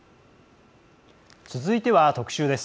続いては、特集です。